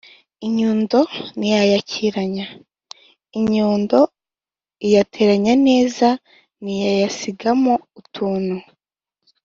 inyundo ntiyayakiranya: inyundo iyateranya neza ntiyayasigamo utuntu